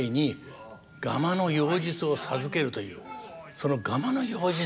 そのガマの妖術